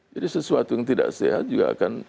jadi sesuatu yang tidak sehat juga akan